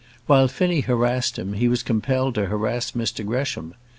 While Finnie harassed him, he was compelled to harass Mr Gresham.